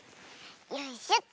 よいしょと。